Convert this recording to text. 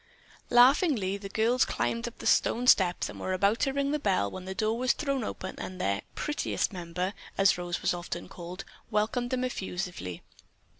Laughingly the girls climbed up the stone steps and were about to ring the bell when the door was thrown open and their "prettiest member," as Rose was often called, welcomed them effusively.